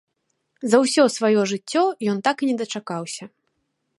За ўсё сваё жыццё ён так і не дачакаўся.